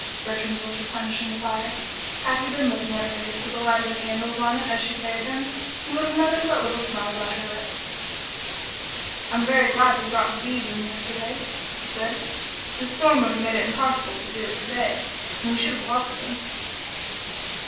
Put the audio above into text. Bertrand was replenishing the fire. Had he been looking at her face with the light of the candles on it as she carried them, he would have noticed that little smile about her lips. "I'm very glad we brought the bees in yesterday," he said. "This storm would have made it impossible to do it to day, and we should have lost them."